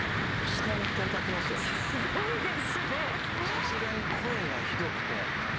さすがに声がひどくて。